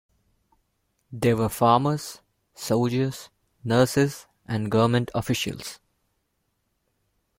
They were farmers, soldiers, nurses, and government officials.